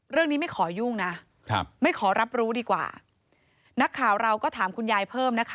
ไม่ขอยุ่งนะครับไม่ขอรับรู้ดีกว่านักข่าวเราก็ถามคุณยายเพิ่มนะคะ